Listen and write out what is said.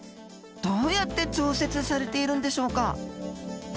どうやって調節されているんでしょうか？